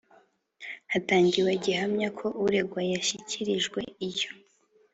hatangiwe gihamya ko uregwa yashyikirijwe iyo